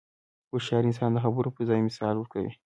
هوښیار انسان د خبرو پر ځای مثال ورکوي.